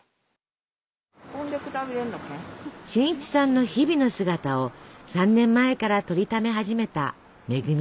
俊一さんの日々の姿を３年前から撮りため始めた恵さん。